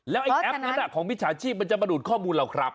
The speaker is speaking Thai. แล้วไอ้แอปนั้นของมิจฉาชีพมันจะมาดูดข้อมูลเราครับ